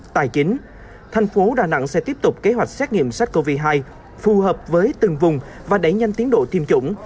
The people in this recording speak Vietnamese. tài chính thành phố đà nẵng sẽ tiếp tục kế hoạch xét nghiệm sars cov hai phù hợp với từng vùng và đẩy nhanh tiến độ tiêm chủng